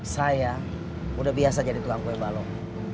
saya udah biasa jadi tukang kue balok